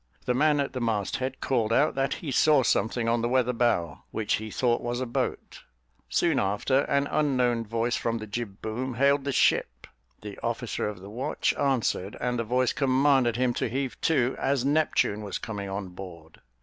The man at the mast head called out that he saw something on the weather bow, which he thought was a boat; soon after, an unknown voice from the jib boom hailed the ship; the officer of the watch answered; and the voice commanded him to heave to, as Neptune was coming on board.